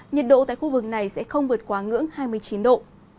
nhiệt độ tại khu vực này sẽ không vượt quá ngưỡng hai mươi chín độ